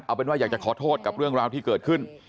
เอาเป็นว่าอยากจะขอโทษกับเรื่องราวที่เกิดขึ้น